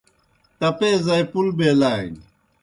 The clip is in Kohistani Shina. ٹپے زائی پُل بیلانیْ